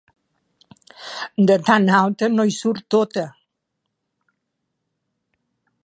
De tan alta no hi surt tota.